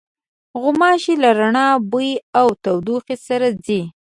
غوماشې له رڼا، بوی او تودوخې سره ځي.